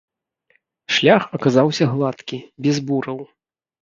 Шлях аказаўся гладкі, без бураў.